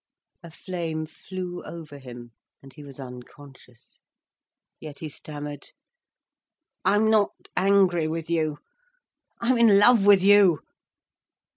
A flame flew over him, and he was unconscious. Yet he stammered: "I'm not angry with you. I'm in love with you."